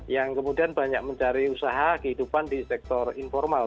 yang kemudian banyak mencari usaha kehidupan di sektor informal